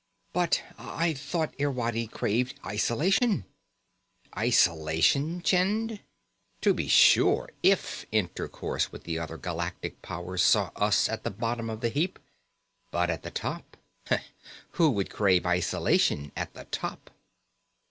"But I thought Irwadi craved isolation " "Isolation, Chind? To be sure, if intercourse with the other galactic powers saw us at the bottom of the heap. But at the top who would crave isolation at the top?"